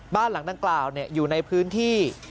บ้านหลังดังกล่าวอยู่ในพื้นที่